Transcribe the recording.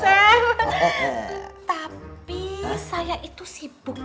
itu dia potosny